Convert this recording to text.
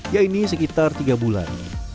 ya ini sekitar tiga bulan